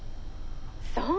そう。